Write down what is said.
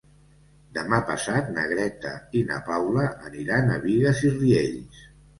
Demà passat na Greta i na Paula aniran a Bigues i Riells.